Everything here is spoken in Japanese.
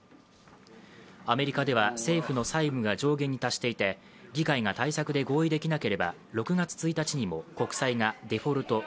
アメリカでは政府の債務が上限に達していて議会が対策で合意できなければ６月１日にも国債がデフォルト＝